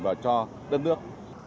và cho đất nước